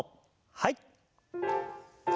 はい。